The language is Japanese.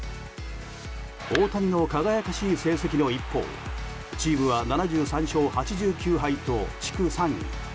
大谷の輝かしい成績の一方チームは７３勝８９敗と地区３位。